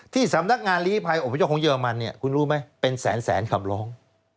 ที่สำนักงานลีภัยอบพยพของเยอรมันเนี่ยคุณรู้ไหมเป็นแสนคำร้อง